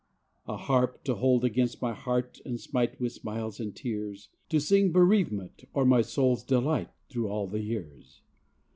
A harp, to hold against my heart and smite With smiles and tears, To sing bereavement or my soul's delight Through all the years.